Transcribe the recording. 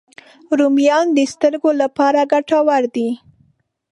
رومیان د سترګو لپاره ګټور دي